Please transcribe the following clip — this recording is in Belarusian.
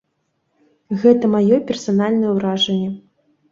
Гэта маё персанальнае ўражанне.